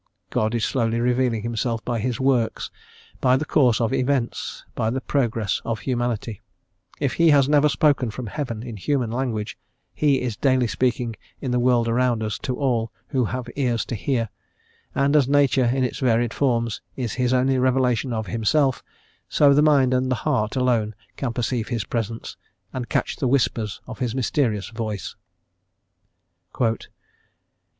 God is slowly revealing Himself by His works, by the course of events, by the progress of Humanity: if He has never spoken from Heaven in human language, He is daily speaking in the world around us to all who have ears to hear, and as Nature in its varied forms is His only revelation of Himself, so the mind and the heart alone can perceive His presence and catch the whispers ot His mysterious voice.